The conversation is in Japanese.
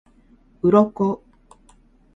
鱗